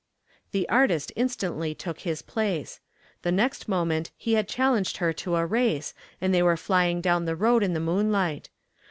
The artist instantly took his place. The next moment he had challenged her to a race and they were flying down the road in the moonlight.